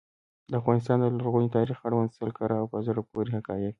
د افغانستان د لرغوني تاریخ اړوند سل کره او په زړه پوري حقایق.